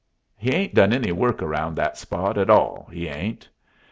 He 'ain't done any work around that spot at all, He 'ain't.